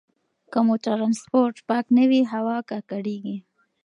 که مو ټرانسپورټ پاک نه وي، هوا ککړېږي.